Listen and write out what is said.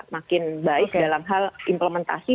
makin baik dalam hal implementasi